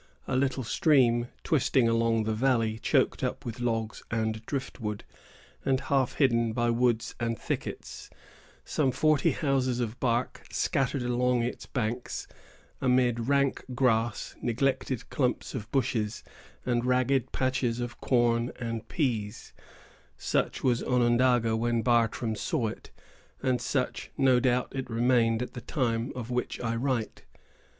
A little stream, twisting along the valley, choked up with logs and driftwood, and half hidden by woods and thickets, some forty houses of bark, scattered along its banks, amid rank grass, neglected clumps of bushes, and ragged patches of corn and peas,——such was Onondaga when Bartram saw it, and such, no doubt, it remained at the time of which I write.